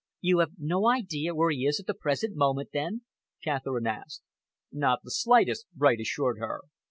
"You have no idea where he is at the present moment, then?" Catherine asked. "Not the slightest," Bright assured her.